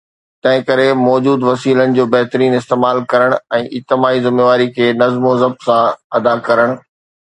تنهن ڪري، موجود وسيلن جو بهترين استعمال ڪرڻ ۽ اجتماعي ذميواري کي نظم و ضبط سان ادا ڪرڻ